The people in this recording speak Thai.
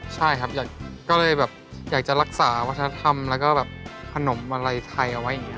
ใช่ครับก็เลยแบบอยากจะรักษาวัฒนธรรมแล้วก็แบบขนมอะไรไทยเอาไว้อย่างนี้